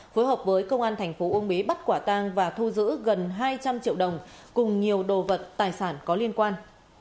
phối hợp với công an thành phố uông bí bắt quả tang và thu giữ gần hai trăm linh triệu đồng cùng nhiều đồ vật tài sản có liên quan